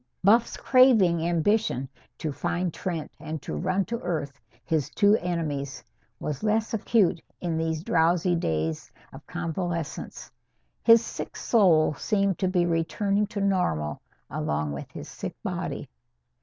Buff's craving ambition, to find Trent and to run to earth his two enemies, was less acute in these drowsy days of convalescence. His sick soul seemed to be returning to normal along with his sick body.